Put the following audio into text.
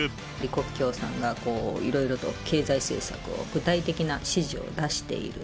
李克強さんがこう、いろいろと経済政策を具体的な指示を出している。